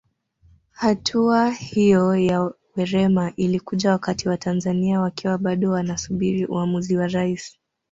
Hatua hiyo ya Werema ilikuja wakati Watanzania wakiwa bado wanasubiri uamuzi wa Rais